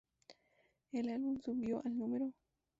El álbum subió al No.